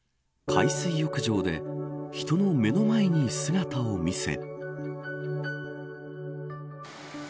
海水浴場で、人の目の前に姿を見せ。